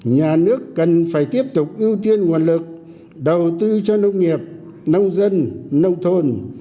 nhà nước cần phải tiếp tục ưu tiên nguồn lực đầu tư cho nông nghiệp nông dân nông thôn